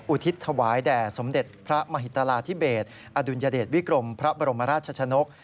อุทิศถวายแด่สมเด็จพระมหิตราธิเบสอดุลยเดชวิกรมพระบรมราชชนก